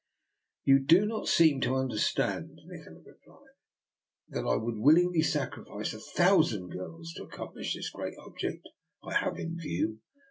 " You do not seem to understand," Nikola replied, " that I would willingly sacrifice a thousand girls to accomplish this great object I have in view.